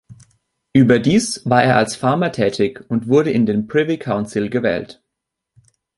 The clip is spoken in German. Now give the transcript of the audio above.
Überdies war er als Farmer tätig und wurde in den Privy Council gewählt.